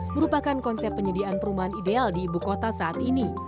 merupakan konsep penyediaan perumahan ideal di ibu kota saat ini